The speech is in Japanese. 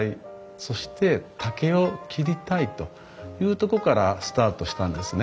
そして竹を切りたいというとこからスタートしたんですね。